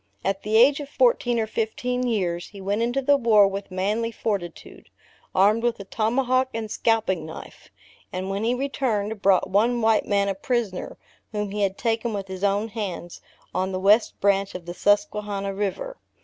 At the age of fourteen or fifteen years, he went into the war with manly fortitude, armed with a tomahawk and scalping knife; and when he returned, brought one white man a prisoner, whom he had taken with his own hands, on the west branch of the Susquehannah river.